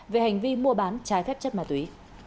về hành vi mua bán trái phép chất ma túy